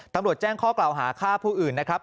ตำรวจแจ้งข้อกล่าวหาฆ่าผู้อื่นนะครับ